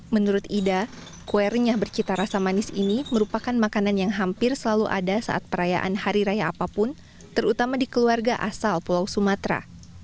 menurut ida kue renyah bercita rasa manis ini merupakan makanan yang hampir selalu ada saat perayaan hari raya apapun terutama di keluarga asal pulau sumatera